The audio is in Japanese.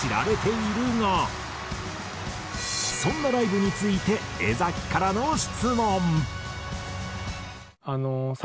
そんなライヴについて江からの質問。